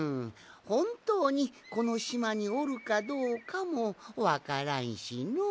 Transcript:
ほんとうにこのしまにおるかどうかもわからんしのう。